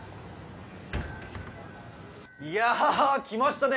いや来ましたね